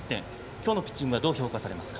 今日のピッチングどう評価されますか。